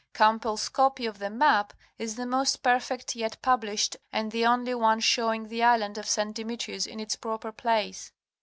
Campbell's copy of the map is the most perfect yet published and the only one showing the island of St. Demetrius in its proper place.